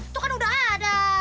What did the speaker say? tuh kan udah ada